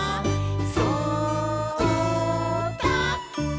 「そうだ！」